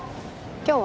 今日は？